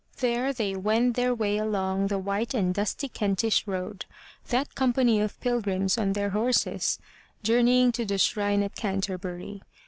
There they wend their way along the white and dusty Kentish road, that company of pilgrims on their horses, journeying to the shrine at Canterbury.